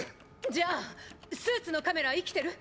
じゃあスーツのカメラ生きてる？